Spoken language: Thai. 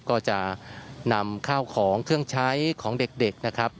ก็จะนำข้าวของเครื่องใช้ของเด็กนะครับ